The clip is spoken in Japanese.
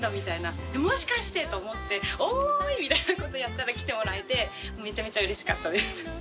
もしかしてと思って「おい」みたいなことやったら来てもらえてめちゃめちゃうれしかったです。